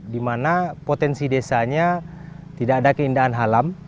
dimana potensi desanya tidak ada keindahan halam